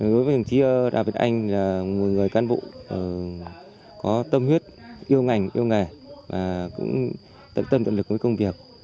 đối với đồng chí đào việt anh là một người cán bộ có tâm huyết yêu ngành yêu nghề và cũng tận tâm tận lực với công việc